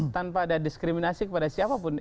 tanpa ada diskriminasi kepada siapapun